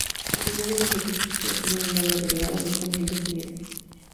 A menudo los requisitos que definen una obra derivada no están bien definidos.